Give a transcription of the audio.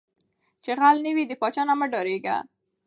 ـ چې غل نه وې د پاچاه نه مه ډارېږه.